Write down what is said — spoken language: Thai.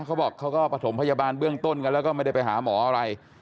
เขาบอกเขาก็ประถมพยาบาลเบื้องต้นกันแล้วก็ไม่ได้ไปหาหมออะไร